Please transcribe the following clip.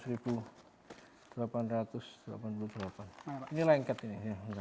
ini lengket ini